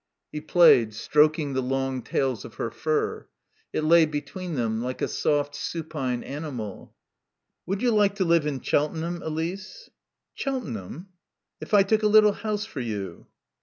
He played, stroking the long tails of her fur. It lay between them like a soft, supine animal. "Would you like to live in Cheltenham, Elise?" "Cheltenham?" "If I took a little house for you?"